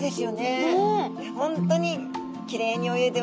本当にきれいに泳いでますね。